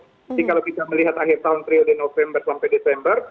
jadi kalau kita melihat akhir tahun dari november sampai desember